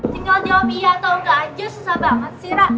tinggal diawabi atau enggak aja susah banget sih ra